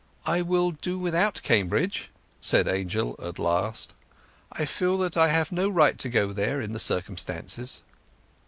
"I will do without Cambridge," said Angel at last. "I feel that I have no right to go there in the circumstances."